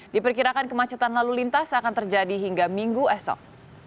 diperkirakan kemacetan lalu lintas akan terjadi hingga minggu esok